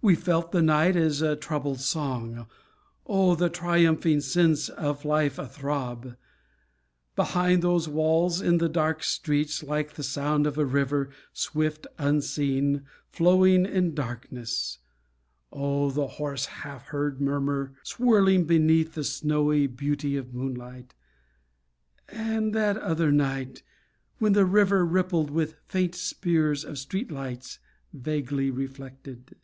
We felt the night as a troubled song ... Oh, the triumphing sense of life a throb. Behind those walls, in those dark streets, Like the sound of a river, swift, unseen, Flowing in darkness. Oh, the hoarse Half heard murmur swirling beneath The snowy beauty of moonlight.... And that other night, When the river rippled with faint spears Of street lights vaguely reflected.